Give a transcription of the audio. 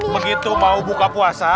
begitu mau buka puasa